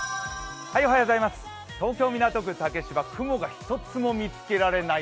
東京・港区竹芝、雲が１つも見つけられない